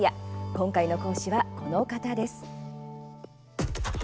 今回の講師は、この方です。